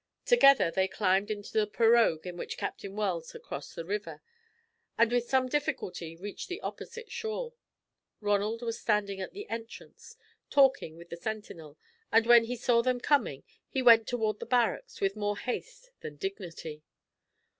Together they climbed into the pirogue in which Captain Wells had crossed the river, and with some difficulty reached the opposite shore. Ronald was standing at the entrance, talking with the sentinel, and when he saw them coming he went toward the barracks with more haste than dignity.